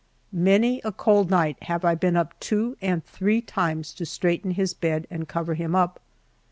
Many a cold night have I been up two and three times to straighten his bed and cover him up.